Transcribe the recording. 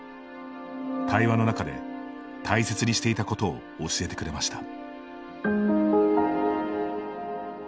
対話の中で大切にしていたことを教えてくれました。